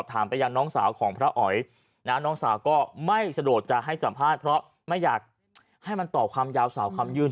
ไหนก็ไม่สะดวกจะให้สัมภาษณ์เพราะไม่อยากให้มันต่อความยาวสาวคำยื่นอ่ะ